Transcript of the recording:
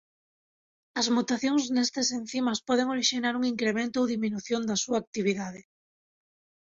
As mutacións nestes encimas poden orixinar un incremento ou diminución da súa actividade.